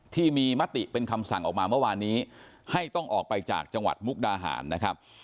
ที่มีมติเป็นคำสั่งออกมาเมื่อวานนี้ให้ต้องออกไปจากจังหวัดมุกดาหารนะครับ